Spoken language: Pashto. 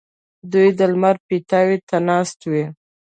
دوی د لمر پیتاوي ته ناست وي.